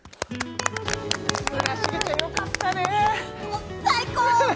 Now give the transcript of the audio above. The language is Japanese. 村重ちゃんよかったねもう最高！